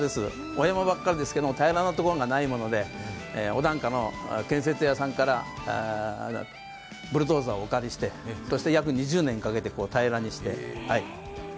お山ばっかりですけど、平らなところがないもので、お檀家の建設屋さんからブルドーザーをお借りして約２０年かけて平らにして。